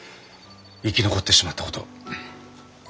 生き残ってしまったことを。